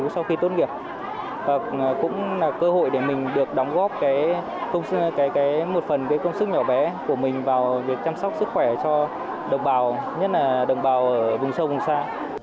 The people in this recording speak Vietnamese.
dự án bác sĩ trẻ tính nguyện là một dự án có ý nghĩa nhân văn lớn và cũng là một cơ hội cho chúng em có được công việc sau khi tốt nghiệp và cũng là một cơ hội cho chúng em có được công việc sau khi tốt nghiệp và cũng là cơ hội để mình được đóng góp một phần công sức nhỏ bé của mình vào việc chăm sóc sức khỏe cho đồng bào nhất là đồng bào ở vùng sâu vùng xa